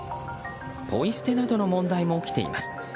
ポイ捨てなどの問題も起きています。